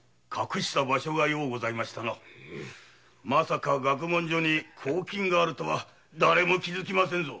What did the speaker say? まさか学問所に公金があるとはだれも気づきませんぞ。